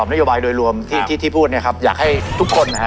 นโยบายโดยรวมที่ที่พูดเนี่ยครับอยากให้ทุกคนนะฮะ